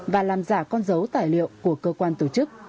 và làm giả con dấu tài liệu của cơ quan tổ chức